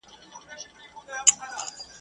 تعویذونه به ور ولیکم پرېمانه !.